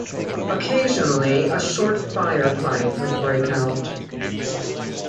Occasionally a short firefight would break out.